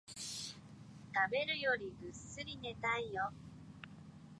食べるよりぐっすり寝たいよ